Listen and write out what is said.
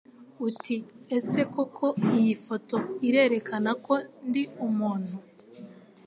uti ese koko iyi foto irerekana ko ndi umuntu